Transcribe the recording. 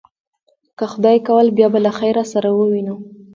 که خدای کول، بیا به له خیره سره ووینو.